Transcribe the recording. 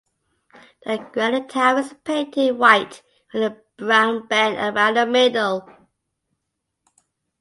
The granite tower is painted white with a brown band around the middle.